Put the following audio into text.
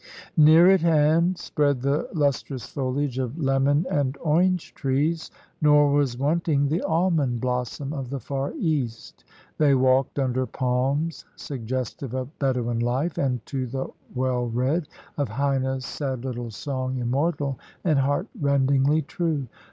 Near at hand spread the lustrous foliage of lemon and orange trees, nor was wanting the almond blossom of the far east. They walked under palms suggestive of Bedouin life, and, to the well read, of Heine's sad little song, immortal and heart rendingly true.